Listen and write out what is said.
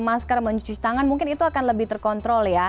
masker mencuci tangan mungkin itu akan lebih terkontrol ya